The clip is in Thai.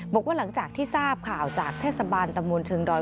บอกว่าหลังจากที่ทราบข่าวจากเทศบาลตำบลเชิงดอย